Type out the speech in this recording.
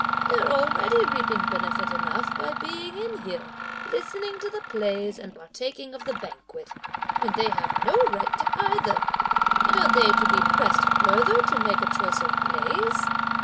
they're already reaping benefit enough by being in here, listening to the plays and partaking of the banquet, when they have no right to either; and are they to be pressed further to make a choice of plays?"